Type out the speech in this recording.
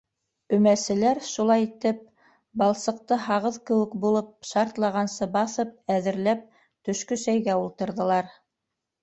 Өмәселәр шулай итеп, балсыҡты һағыҙ кеүек булып шартлағансы баҫып әҙерләп, төшкө сәйгә ултырҙылар.